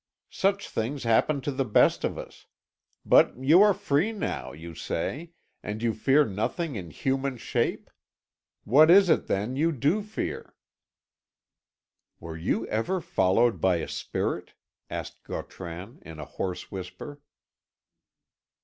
Such things happen to the best of us. But you are free now, you say, and you fear nothing in human shape. What is it, then, you do fear?" "Were you ever followed by a spirit?" asked Gautran, in a hoarse whisper.